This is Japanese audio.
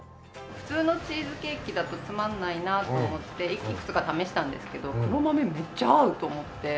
普通のチーズケーキだとつまんないなと思っていくつか試したんですけど黒豆めっちゃ合う！と思って。